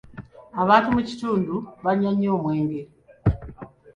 Abantu mu kitundu banywa nnyo omwenge.